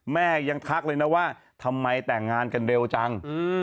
แม่ยังทักเลยนะว่าทำไมแต่งงานกันเร็วจัง